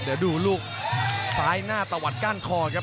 เดี๋ยวดูลูกซ้ายหน้าตะวัดก้านคอครับ